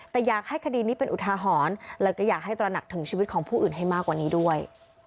แต่อยากให้คดีนี้เป็นอุทาหรณ์แล้วก็อยากให้ตระหนักถึงชีวิตของผู้อื่นให้มากกว่านี้ด้วย